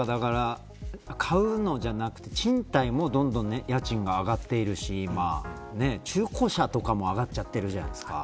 買うのじゃなくて賃貸もどんどん家賃が上がっているし今中古車とかも上がっちゃってるじゃないですか。